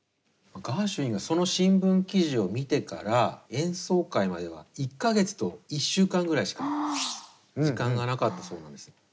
ガーシュウィンがその新聞記事を見てから演奏会までは１か月と１週間ぐらいしか時間がなかったそうなんですね。